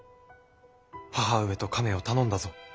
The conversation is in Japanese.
母上と亀を頼んだぞ。